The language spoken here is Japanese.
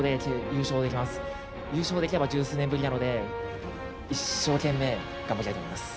優勝できれば十数年ぶりなので一生懸命頑張りたいと思います。